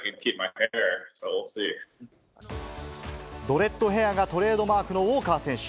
ドレッドヘアがトレードマークのウォーカー選手。